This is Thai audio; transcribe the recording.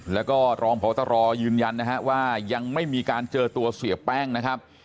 แล้วก็รองพตรยืนยันนะฮะว่ายังไม่มีการเจอตัวเสียแป้งนะครับ